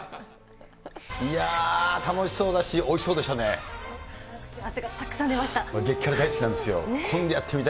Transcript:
いやー、楽しそうだし、汗がたくさん出ました。